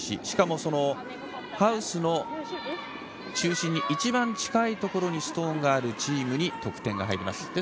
しかもハウスの中心に一番近いところにストーンがあるチームに得点が入ります。